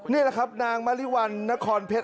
นี่แหละครับนางมะลิวัลนครเพชร